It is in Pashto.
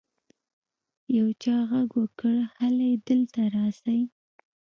يو چا ږغ وکړ هلئ دلته راسئ.